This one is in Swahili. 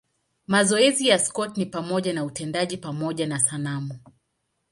Mazoezi ya Scott ni pamoja na utendaji pamoja na sanamu.